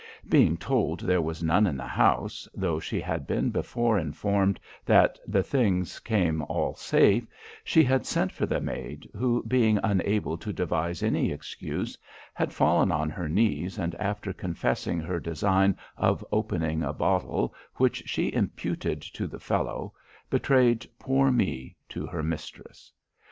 Being told there was none in the house, though she had been before informed that the things came all safe, she had sent for the maid, who, being unable to devise any excuse, had fallen on her knees, and, after confessing her design of opening a bottle, which she imputed to the fellow, betrayed poor me to her mistress.